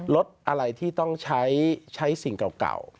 ลดอะไรที่ต้องใช้สิ่งเก่า